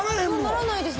ならないです。